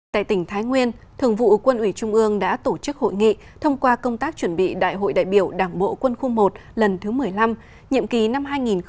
tại tỉnh thái nguyên thường vụ quân ủy trung ương đã tổ chức hội nghị thông qua công tác chuẩn bị đại hội đại biểu đảng bộ quân khu một lần thứ một mươi năm nhiệm ký năm hai nghìn hai mươi hai nghìn hai mươi năm